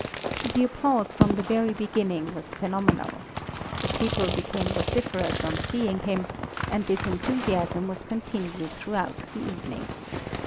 The applause from the very beginning was phenomenal. The people became vociferous on seeing him, and this enthusiasm was continued throughout the evening.